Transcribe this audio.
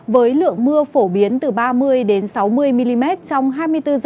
với lượng mưa phổ biến từ ba mươi sáu mươi mm trong hai mươi bốn h